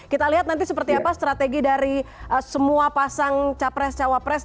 kita lihat nanti seperti apa strategi dari semua pasang capres cawapres